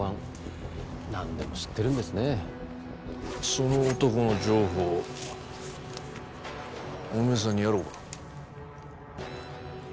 その男の情報お前さんにやろうか？